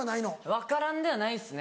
分からんではないですね